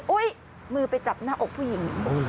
มือไปจับหน้าอกผู้หญิง